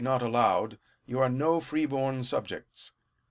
not allowed, you are no freeborn subjects.